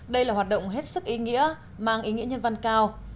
đây là hoạt động hết sức ý nghĩa mang ý nghĩa nhân văn cao